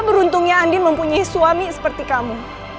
beruntungnya andi mempunyai suami seperti kamu